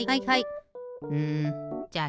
うんじゃあ